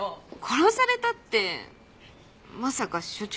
殺されたってまさか所長に？